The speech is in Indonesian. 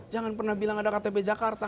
jangan pernah bilang ada ktp jakarta